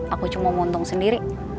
aku cuma menguntung sendiri